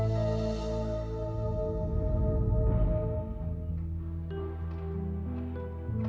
terima kasih ya